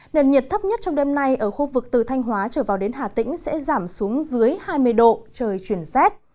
nền nhiệt thấp nhất trong đêm nay ở khu vực từ thanh hóa trở vào đến hà tĩnh sẽ giảm xuống dưới hai mươi độ trời chuyển rét